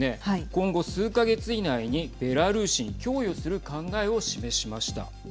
今後、数か月以内にベラルーシに供与する考えを示しました。